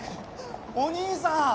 お兄さん。